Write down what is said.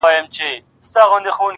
خو دوی له خپل کلاسیک سره